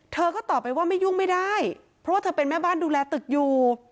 เธอก็ตอบไปว่าไม่ยุ่งไม่ได้เพราะว่าเธอเป็นแม่บ้านดูแลตึกอยู่